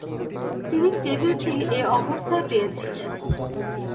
তিনি টেবিলটি এ অবস্থায় পেয়েছিলেন।